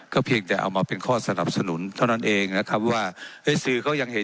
เพียงแต่เอามาเป็นข้อสนับสนุนเท่านั้นเองนะครับว่าเฮ้ยสื่อก็ยังเห็น